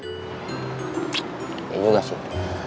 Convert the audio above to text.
ini juga sih